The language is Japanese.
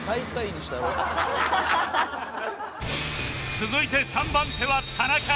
続いて３番手は田中